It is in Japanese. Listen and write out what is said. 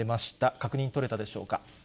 確認取れたでしょうか。